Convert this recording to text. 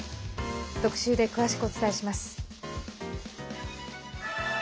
特集で詳しくお伝えします。